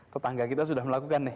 tetangga kita sudah melakukan